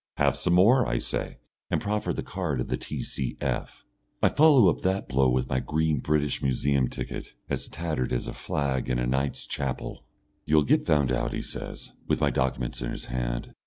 "Have some more," I say, and proffer the card of the T.C.F. I follow up that blow with my green British Museum ticket, as tattered as a flag in a knight's chapel. "You'll get found out," he says, with my documents in his hand.